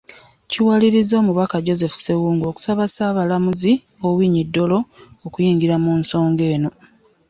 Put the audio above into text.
Kiwaliriza omubaka Joseph Ssewungu okusaba Ssaabalamuzi Owiny Dollo okuyingira mu nsonga eno.